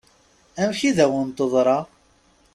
Amek i d-awen-teḍṛa?